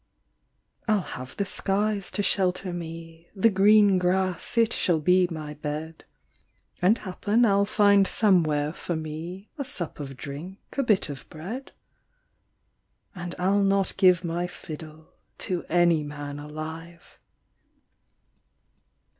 "I ll have the skies to shelter me, The green grass it shall be my bed, And happen I ll find somewhere for me A sup of drink, a bit of bread; And I ll not give my fiddle To any man alive."